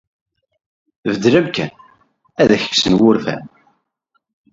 Beddel amkan ad ak-kksen wurfan.